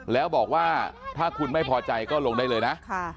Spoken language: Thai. แล้วบอกว่าถ้าคุณไม่พอใจก็ลงได้เลยนะ